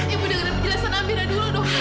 ibu dengerin perjelasan amira dulu dong